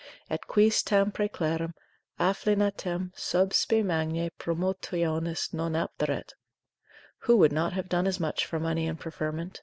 Et quis tam praeclaram aflinitatem sub spe magnae promotionis non optaret? Who would not have done as much for money and preferment?